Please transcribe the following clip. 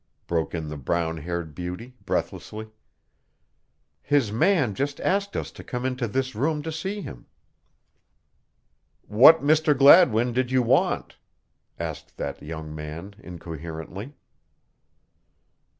broke in the brown haired beauty, breathlessly. "His man just asked us to come into this room to see him." "What Mr. Gladwin did you want?" asked that young man incoherently.